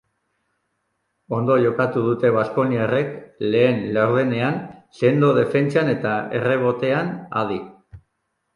Ondo jokatu dute baskoniarrek lehen laurdenean, sendo defentsan eta errebotean adi.